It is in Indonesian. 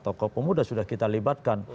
tokoh pemuda sudah kita libatkan